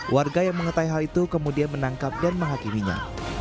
warga yang mengetahui hal itu kemudian menangkap dan menghakiminya